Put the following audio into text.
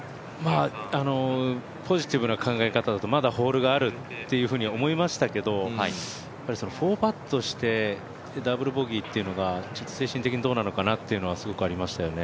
ポジティブな考え方だと、まだホールがあると思いましたけど４パットしてダブルボギーというのが精神的にどうなのかなというのはすごくありましたよね。